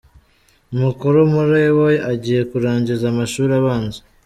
Umukuru muri bo agiye kurangiza amashuri abanza.